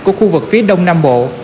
của khu vực phía đông nam bộ